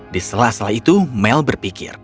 di sela sela itu mel berpikir